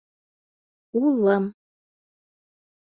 Улым!..